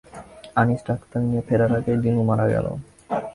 Anis doctor নিয়ে ফেরার আগেই দিনু মারা গেল।